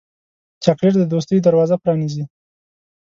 چاکلېټ د دوستۍ دروازه پرانیزي.